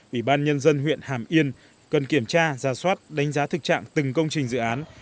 ủy ban nhân dân huyện hàm yên cần kiểm tra ra soát đánh giá thực trạng từng công trình dự án